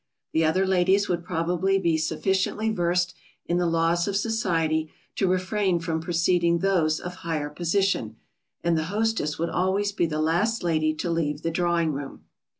The other ladies would probably be sufficiently versed in the laws of society to refrain from preceding those of higher position, and the hostess would always be the last lady to leave the drawing room.